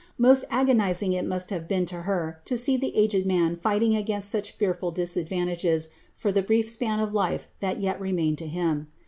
Most agonizing it musi to her to see that aged roan fighting against such fearful dis for the brief span of life that yet remained to him.